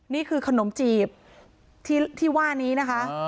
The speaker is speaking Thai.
นี่คือขนมจีบที่ว่านี้นะคะ